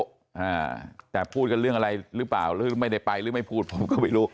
อ่าแต่พูดกันเรื่องอะไรหรือเปล่าหรือไม่ได้ไปหรือไม่พูดผมก็ไม่รู้